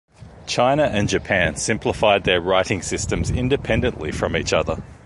China and Japan simplified their writing systems independently from each other.